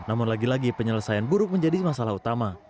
namun lagi lagi penyelesaian buruk menjadi masalah utama